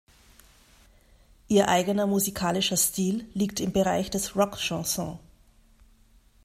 Ihr eigener musikalischer Stil liegt im Bereich des Rock Chanson.